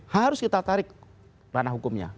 harus kita tarik ranah hukumnya